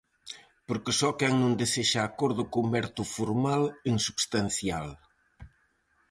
Porque só quen non desexa acordo converte o formal en substancial.